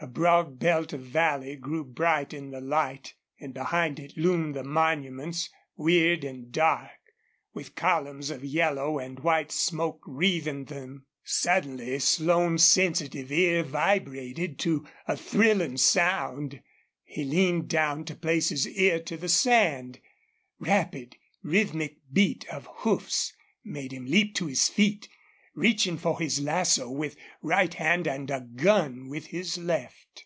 A broad belt of valley grew bright in the light, and behind it loomed the monuments, weird and dark, with columns of yellow and white smoke wreathing them. Suddenly Slone's sensitive ear vibrated to a thrilling sound. He leaned down to place his ear to the sand. Rapid, rhythmic beat of hoofs made him leap to his feet, reaching for his lasso with right hand and a gun with his left.